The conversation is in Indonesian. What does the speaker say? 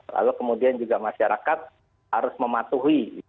lalu kemudian juga masyarakat harus mematuhi